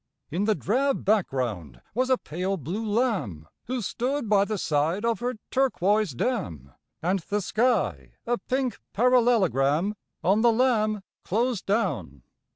In the drab background was a pale blue lamb Who stood by the side of her turquoise dam, And the sky a pink parallelogram On the lamb closed down.